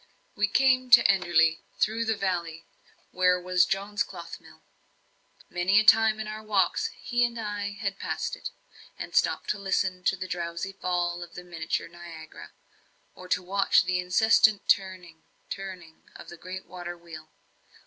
We came to Enderley through the valley, where was John's cloth mill. Many a time in our walks he and I had passed it, and stopped to listen to the drowsy fall of the miniature Niagara, or watch the incessant turning turning of the great water wheel.